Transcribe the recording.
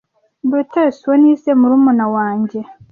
brutus uwo nise murumuna wanjye